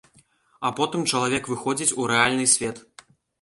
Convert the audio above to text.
А потым чалавек выходзіць у рэальны свет.